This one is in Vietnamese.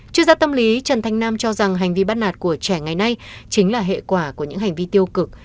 chuyên gia tâm lý trần thanh nam cho rằng hành vi bắt nạt của trẻ ngày nay chính là hệ quả của những hành vi tiêu cực